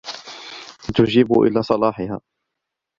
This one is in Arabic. وَتُجِيبُ إلَى صَلَاحِهَا